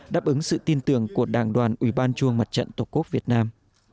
đáp ứng sự tin tưởng của đảng đoàn ủy ban trung mặt trận tổ quốc việt nam